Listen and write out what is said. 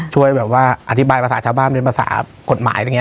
ช่วยแบบว่าอธิบายภาษาชาวบ้านเป็นภาษากฎหมายอะไรอย่างนี้